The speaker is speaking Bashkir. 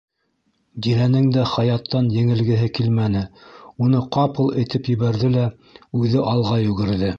Диләнең дә Хаяттан еңелгеһе килмәне, уны ҡапыл этеп ебәрҙе лә, үҙе алға йүгерҙе.